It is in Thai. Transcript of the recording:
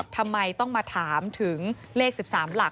ทำไมต้องมาถามถึงเลข๑๓หลัก